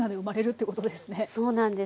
そうなんです。